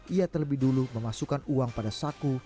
ia terlebih dulu memasukkan uang pada saku